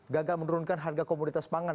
gagal menurunkan harga komoditas pangan